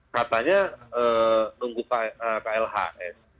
katanya nunggu klhs